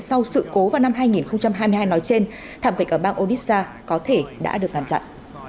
sau sự cố vào năm hai nghìn hai mươi hai nói trên thảm kịch ở bang odisha có thể đã được ngăn chặn